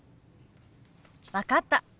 分かった。